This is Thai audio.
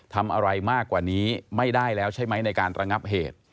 ทำอะไรมากกว่านี้ไม่ได้แล้วใช่ไหมในการระงับเหตุ